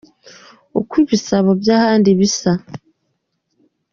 uko ibisabo byahandi bisa